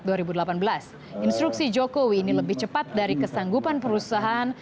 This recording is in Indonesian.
pada tahun dua ribu sembilan belas instruksi jokowi ini lebih cepat dari kesanggupan perusahaan